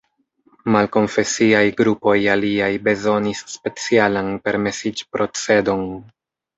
Malkonfesiaj grupoj aliaj bezonis specialan permesiĝprocedon.